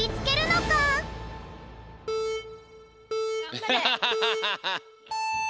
アハハハハハッ！